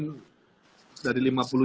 hai dari depan